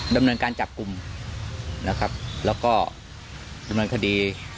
ดำเนินการจับกลุ่มนะครับแล้วก็ดำเนินคดี